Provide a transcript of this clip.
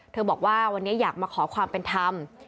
บอกว่าวันนี้อยากมาขอความเป็นธรรม